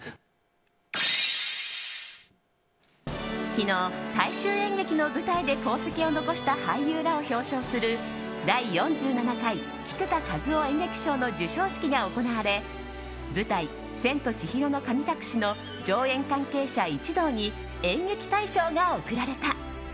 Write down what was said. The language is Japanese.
昨日、大衆演劇の舞台で功績を残した俳優らを表彰する第４７回菊田一夫演劇賞の授賞式が行われ舞台「千と千尋の神隠し」の上演関係者一同に演劇大賞が贈られた。